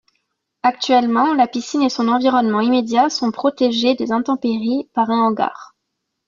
Actuellement la piscine et son environnement immédiat sont protégés des intempéries par un hangar.